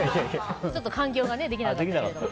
ちょっと環境ができなかったですけど。